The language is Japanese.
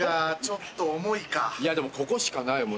でもここしかないもん